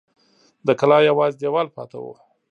د کلا یوازې دېوال پاته و.